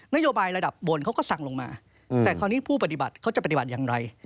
นโยบายระดับบนเขาก็สั่งลงมาแต่คราวนี้ผู้ปฏิบัติเขาจะปฏิบัติอย่างไร